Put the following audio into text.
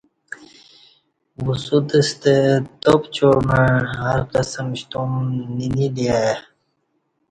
وسوت ستہ تاپ چوعہ مع ہرقسم شتم نینیلی ا ی